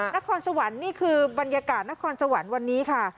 นครสวรรค์นี่คือบรรยากาศนครสวรรค์วันนี้ค่ะ